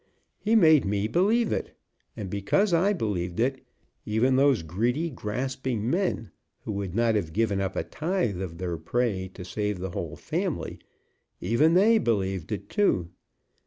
He made me believe it; and because I believed it, even those greedy, grasping men, who would not have given up a tithe of their prey to save the whole family, even they believed it too.